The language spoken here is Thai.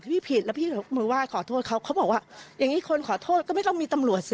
พี่ผิดแล้วพี่ยกมือไหว้ขอโทษเขาเขาบอกว่าอย่างนี้คนขอโทษก็ไม่ต้องมีตำรวจสิ